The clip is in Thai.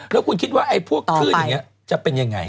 แล้วคุณคิดว่าไอ้พวกคลื่นอย่างนี้จะเป็นยังไง